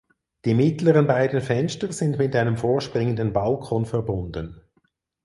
Die mittleren beiden Fenster sind mit einem vorspringenden Balkon verbunden.